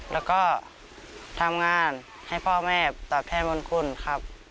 แล้วก็ทำงานให้พ่อแม่ตอบแทนมนคุณครับ